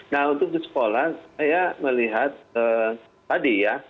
nah untuk di sekolah saya melihat tadi ya